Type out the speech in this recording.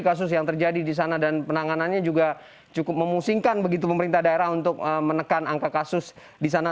kasus yang terjadi di sana dan penanganannya juga cukup memusingkan begitu pemerintah daerah untuk menekan angka kasus di sana